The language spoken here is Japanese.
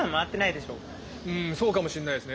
うんそうかもしんないですね。